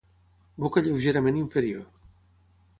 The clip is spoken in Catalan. Boca lleugerament inferior.